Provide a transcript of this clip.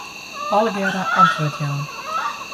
Allegearre antwurd jaan.